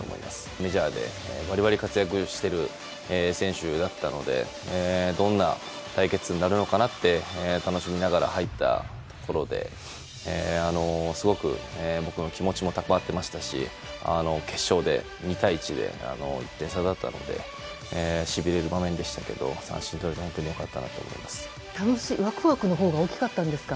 メジャーでバリバリ活躍している選手だったのでどんな対決になるのかなって楽しみながら入ったところですごく僕の気持ちも高まっていましたし決勝で２対１で１点差だったのでしびれる場面でしたけど三振とれただけでもワクワクのほうが大きかったんですか？